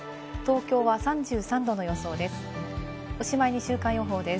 東京は３３度の予想です。